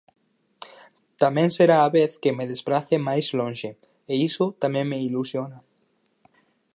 Tamén será a vez que me desprace máis lonxe e iso tamén me ilusiona.